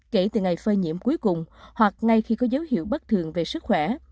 kể từ ngày phơi nhiễm cuối cùng hoặc ngay khi có dấu hiệu bất thường về sức khỏe